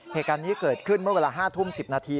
เหตุการณ์นี้เกิดขึ้นเมื่อเวลา๕ทุ่ม๑๐นาที